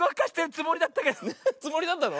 つもりだったの？